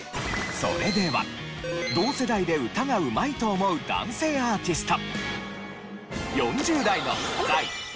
それでは同世代で歌がうまいと思う男性アーティスト。